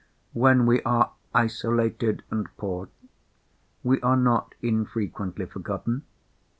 When we are isolated and poor, we are not infrequently forgotten.